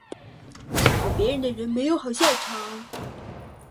欺负别人的人没有好下场